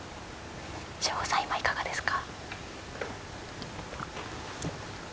省吾さんはいかがですか？